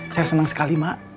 saya senang sekali mak